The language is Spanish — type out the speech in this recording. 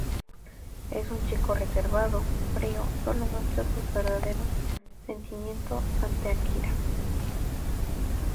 Es un chico reservado, frío solo muestras sus verdaderos sentimiento ante Akira.